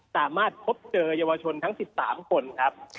สามารถพบเจอเยาวชนทั้ง๑๓คนครับ